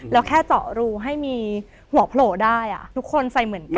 แล้วแค่เจาะรูให้มีหัวโผล่ได้ทุกคนใส่เหมือนกัน